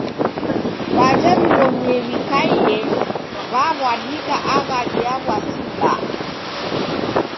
W'aja w'iw'onie w'ikaie w'aw'adika aghadi ya w'asi m'baa.